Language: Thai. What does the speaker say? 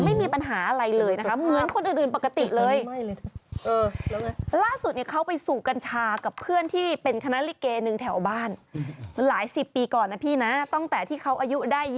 ไม่มีปัญหาอะไรเลยนะคะเหมือนคนอื่นปกติเลย